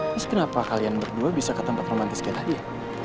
mas kenapa kalian berdua bisa ke tempat romantis kita tadi ya